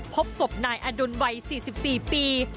พบศพนายอดุลวัย๔๔ปี